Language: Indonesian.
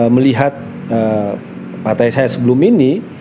melihat partai saya sebelum ini